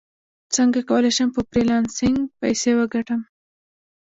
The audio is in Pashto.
څنګه کولی شم په فریلانسینګ پیسې وګټم